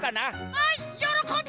はいよろこんで！